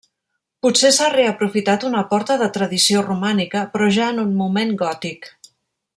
Potser s'ha reaprofitat una porta de tradició romànica però ja en un moment gòtic.